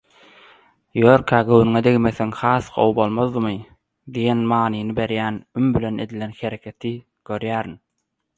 ýörkä göwnüne degmeseň has gowy bolmazmydy?» diýen manyny berýän, üm bilen edilen hereketi görýärin.